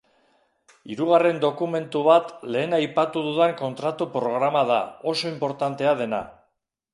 Hirugarren dokumentu bat lehen aipatu dudan kontratu-programa da, oso inportantea dena.